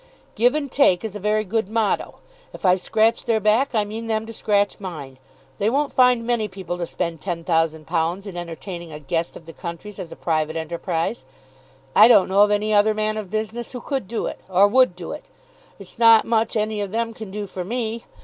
"Give and take is a very good motto. If I scratch their back, I mean them to scratch mine. They won't find many people to spend ten thousand pounds in entertaining a guest of the country's as a private enterprise. I don't know of any other man of business who could do it, or would do it. It's not much any of them can do for me.